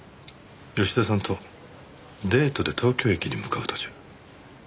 吉田さんとデートで東京駅に向かう途中。